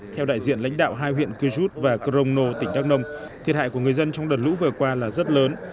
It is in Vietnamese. theo đại diện lãnh đạo hai huyện cư giút và crono tỉnh đắk nông thiệt hại của người dân trong đợt lũ vừa qua là rất lớn